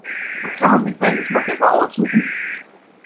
Und kann man sich seinen Geschmack etwa aussuchen?